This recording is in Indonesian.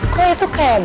kok itu kayak